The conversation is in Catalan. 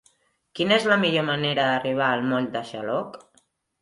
Quina és la millor manera d'arribar al moll de Xaloc?